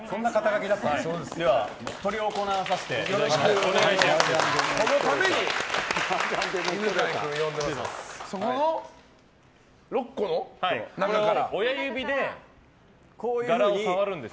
では執り行わさせていただきます。